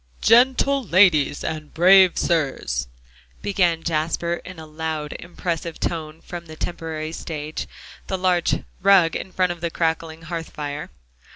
"'Gentle ladies and brave sirs,'" began Jasper in a loud, impressive tone, from the temporary stage, the large rug in front of the crackling hearth fire.